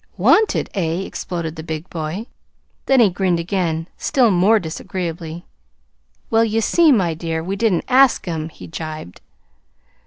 "Wanted Eh?" exploded the big boy. Then he grinned again, still more disagreeably. "Well, you see, my dear, we didn't ask 'em," he gibed.